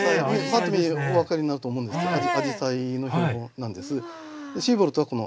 パッと見てお分かりになると思うんですけどアジサイの標本なんです。